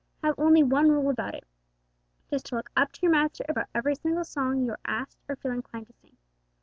Have only one rule about it just to look up to your Master about every single song you are asked or feel inclined to sing.